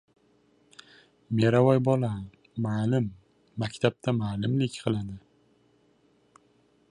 — Meravoy bola! Ma’lim! Maktabda ma’limlik qiladi.